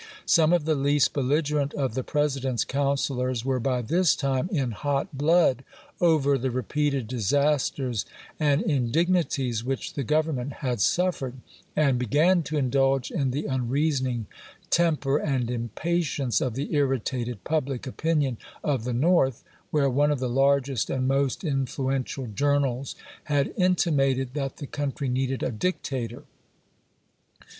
Some of the least belliger ent of the President's councilors were by this time in hot blood over the repeated disasters and indig nities which the Government had suffered, and be gan to indulge in the unreasoning temper and impatience of the irritated pubhc opinion of the North, where one of the largest and most influen tial journals had intimated that the country needed a dictator.